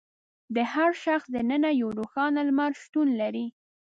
د هر شخص دننه یو روښانه لمر شتون لري.